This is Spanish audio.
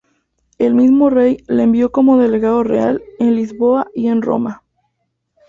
El mismo rey le envió como delegado real en Lisboa y en Roma.